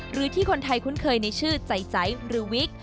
หรือที่คนไทยคุ้นเคยในชื่อใจไซส์หรือวิก